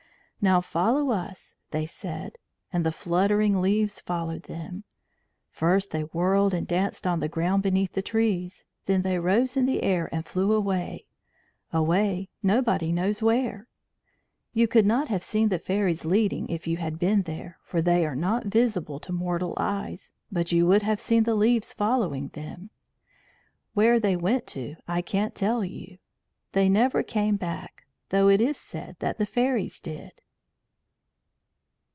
"Now follow us," they said; and the fluttering leaves followed them. First they whirled and danced on the ground beneath the trees, then they rose in the air and flew away, away nobody knows where. You could not have seen the fairies leading if you had been there, for they are not visible to mortal eyes; but you would have seen the leaves following them. Where they went to I can't tell you. They never came back, though it is said that the fairies did.